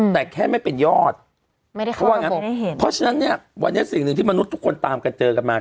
แต่แค่ไม่เป็นยอดเพราะฉะนั้นวันนี้สิ่งหนึ่งที่มนุษย์ทุกคนตามกันเจอกันมา